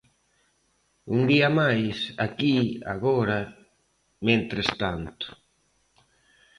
Un día máis, aquí, agora, mentres tanto.